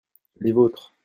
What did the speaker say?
les vôtres.